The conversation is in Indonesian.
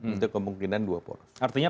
itu kemungkinan dua poros artinya